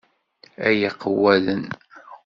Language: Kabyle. Ay iqewwaden!